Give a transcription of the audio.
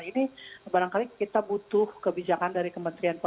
ini barangkali kita butuh kebijakannya